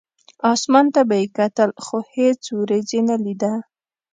اسمان ته به یې کتل، خو هېڅ ورېځ یې نه لیده.